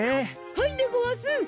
はいでごわす！